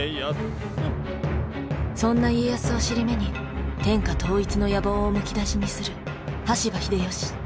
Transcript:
そんな家康を尻目に天下統一の野望をむき出しにする羽柴秀吉。